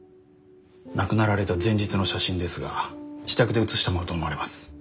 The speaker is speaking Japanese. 亡くなられた前日の写真ですが自宅で写したものと思われます。